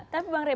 tapi bang rek